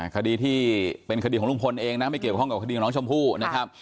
คดีที่เป็นคดีของลุงพลเองนะไม่เกี่ยวข้องกับคดีของน้องชมพู่นะครับ